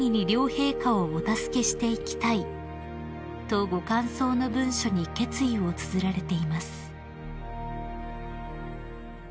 両陛下をお助けしていきたい」とご感想の文書に決意をつづられています］